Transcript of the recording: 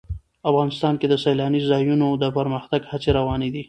افغانستان کې د سیلاني ځایونو د پرمختګ هڅې روانې دي.